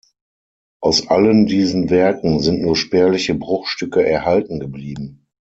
Aus allen diesen Werken sind nur spärliche Bruchstücke erhalten geblieben.